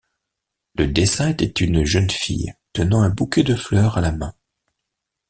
Le dessin était une jeune fille tenant un bouquet de fleurs à la main.